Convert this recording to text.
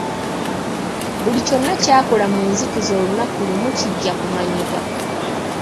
Buli kyonna ky'okola mu nzikiza olunaku lumu kijja kumanyibwa.